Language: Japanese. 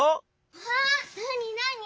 わっなになに？